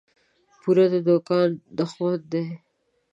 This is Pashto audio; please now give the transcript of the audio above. پور د دوکان دښمن دى.